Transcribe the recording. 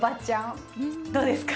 どうですか？